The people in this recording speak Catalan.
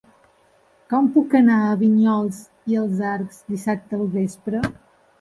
Com puc anar a Vinyols i els Arcs dissabte al vespre?